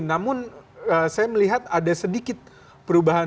namun saya melihat ada sedikit perubahan